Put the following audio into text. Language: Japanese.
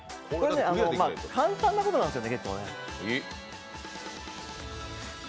これ、簡単なことなんですよね結構ね。